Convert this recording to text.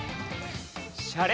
しゃれ。